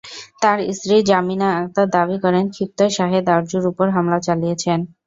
তাঁর স্ত্রী জামিনা আক্তার দাবি করেন, ক্ষিপ্ত সাহেদ আরজুর ওপর হামলা চালিয়েছেন।